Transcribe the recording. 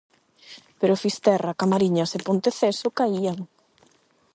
Pero Fisterra, Camariñas e Ponteceso caían.